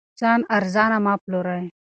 ځان ارزانه مه پلورئ.